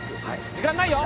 時間ないよ。